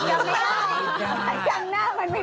จำหน้ามันไม่ได้